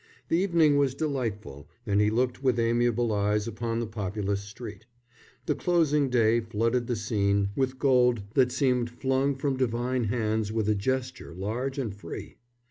The evening was delightful, and he looked with amiable eyes upon the populous street. The closing day flooded the scene with gold that seemed flung from divine hands with a gesture large and free.